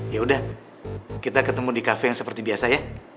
ya udah kita ketemu di kafe yang seperti biasa ya